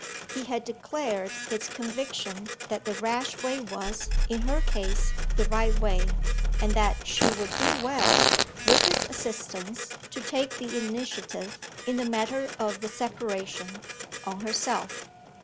He had declared his conviction that the rash way was, in her case, the right way; and that she would do well (with his assistance) to take the initiative, in the matter of the separation, on herself.